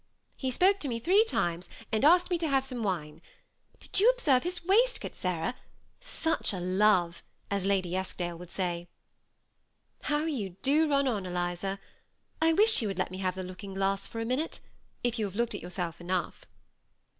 He spoke to me three times, and asked me to have some wine. Did you observe his waistcoat, Sarah ?* such a love !' as Lady Eskdale would say." " How you do run on, Eliza ! I wish you would let me have the looking glass for one minute, if you have looked at yourself enough."